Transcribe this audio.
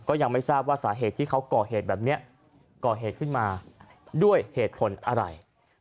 ก็ยังไม่ทราบว่าสาเหตุที่เขาก่อเหตุแบบนี้ก่อเหตุขึ้นมาด้วยเหตุผลอะไร